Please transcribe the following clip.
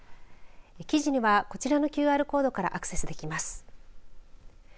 記事には、こちらのＱＲコードからアクセスできます。